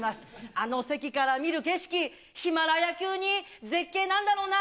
あの席から見る景色、ヒマラヤ級に絶景なんだろうな。